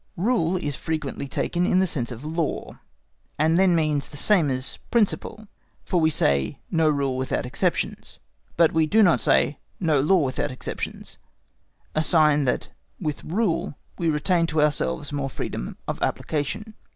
Rule is frequently taken in the sense of Law, and then means the same as Principle, for we say "no rule without exceptions," but we do not say "no law without exceptions," a sign that with Rule we retain to ourselves more freedom of application.